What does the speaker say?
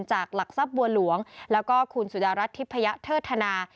จากหลักทรัพย์บัวหลวงแล้วก็คุณสุดารัฐทิพยเทิดธนา